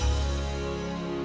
damn di berandap kebanyakan